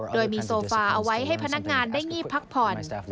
โดยมีโซฟาเอาไว้ให้พนักงานได้งีบพักผ่อน